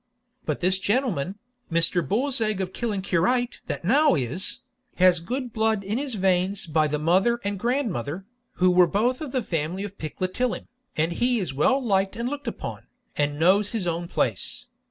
But this gentleman, Mr. Bullsegg of Killancureit that now is, has good blood in his veins by the mother and grandmother, who were both of the family of Pickletillim, and he is well liked and looked upon, and knows his own place.